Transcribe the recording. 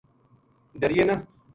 ڈریے نہ